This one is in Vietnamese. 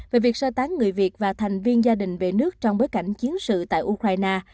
về việc sơ tán người việt và thành viên gia đình về nước trong bối cảnh chiến sự tại ukraine